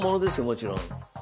もちろん。